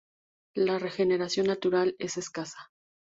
La regeneración natural es escasa.